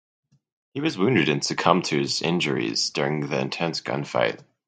He was wounded and succumbed to his injuries during the intense gunfight.